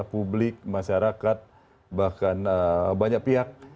publik masyarakat bahkan banyak pihak